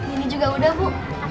ini juga udah bu